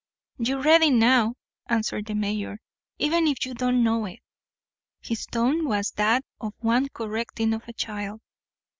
"You're ready now," answered the mayor, "even if you don't know it." His tone was that of one correcting a child.